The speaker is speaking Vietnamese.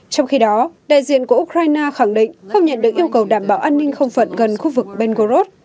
trong khi đó đại diện của ukraine khẳng định không nhận được yêu cầu đảm bảo an ninh không phận gần khu vực ben gorod